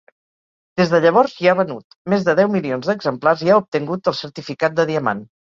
Des de llavors, hi ha venut més de deu milions d'exemplars i ha obtengut el certificat de diamant.